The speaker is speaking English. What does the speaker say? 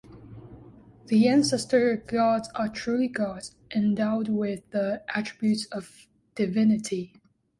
The ancestor-gods are truly gods, endowed with the attributes of divinity.